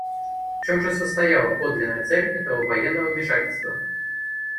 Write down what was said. В чем же состояла подлинная цель этого военного вмешательства?